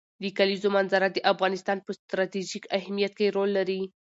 د کلیزو منظره د افغانستان په ستراتیژیک اهمیت کې رول لري.